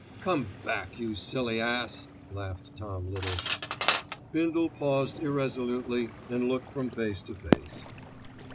"Come back, you silly ass," laughed Tom Little. Bindle paused irresolutely and looked from face to face.